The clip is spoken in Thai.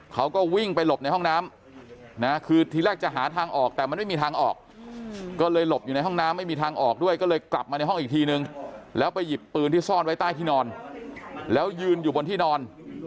เขาก็วิ่งไปหลบในห้องน้ำนะคือทีแรกจะหาทางออกแต่มันไม่มีทางออกก็เลยหลบอยู่ในห้องน้ำไม่มีทางออกด้วยก็เลยกลับมาในห้องอีกทีนึงแล้วไปหยิบปืนที่ซ่อนไว้ใต้ที่นอนแล้วยืนอยู่บนที่นอน